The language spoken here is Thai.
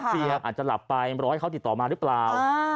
อาจจะหลับไปรอให้เขาติดต่อมาหรือเปล่า